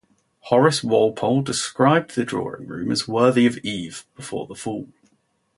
Horace Walpole described the drawing room as worthy of Eve before the fall.